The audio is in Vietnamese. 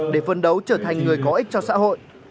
để phân đấu trở thành người có ích cho xã hội